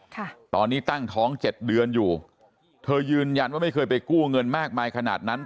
ค่ะตอนนี้ตั้งท้องเจ็ดเดือนอยู่เธอยืนยันว่าไม่เคยไปกู้เงินมากมายขนาดนั้น